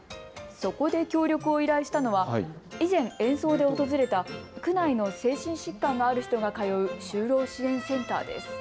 そこで協力を依頼したのは以前、演奏で訪れた区内の精神疾患がある人が通う就労支援センターです。